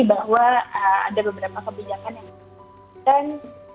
bahwa ada beberapa kebijakan yang diperlukan